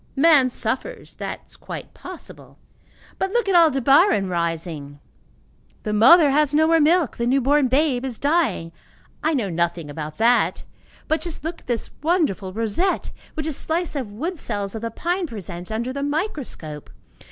Man suffers, that is quite possible; but look at Aldebaran rising! The mother has no more milk, the new born babe is dying. I know nothing about that, but just look at this wonderful rosette which a slice of wood cells of the pine presents under the microscope!